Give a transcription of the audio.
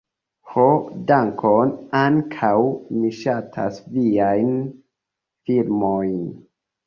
Ho dankon! ankaŭ mi ŝatas viajn filmojn